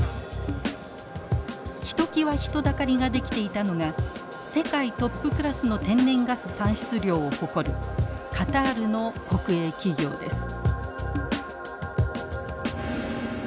ひときわ人だかりが出来ていたのが世界トップクラスの天然ガス産出量を誇るカタールの国営企業です。